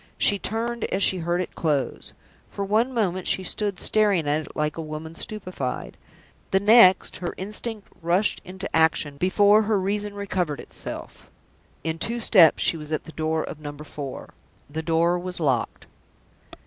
She turned as she heard it close. For one moment she stood staring at it like a woman stupefied. The next, her instinct rushed into action, before her reason recovered itself. In two steps she was at the door of Number Four. The door was locked.